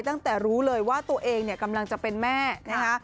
ตั้งแต่รู้เลยว่าตัวเองเนี่ยกำลังจะเป็นแม่นะคะ